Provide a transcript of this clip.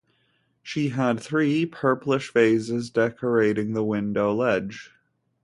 She had three purplish vases decorating the window ledge.